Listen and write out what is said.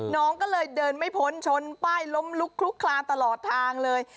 น้องก็เลยเดินไม่พ้นชนป้ายล้มลุกคลุกคลานตลอดทางเลย